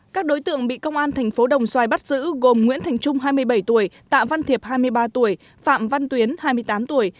các đối tượng bị công an thành phố đồng xoài bắt giữ gồm nguyễn thành trung hai mươi bảy tuổi tạ văn thiệp hai mươi ba tuổi phạm văn tuyến hai mươi tám tuổi